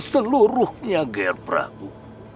seluruhnya gher prabu